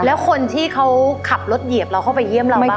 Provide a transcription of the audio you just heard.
แล้วคนที่เขาขับรถเหยียบเราเข้าไปเยี่ยมเราบ้าง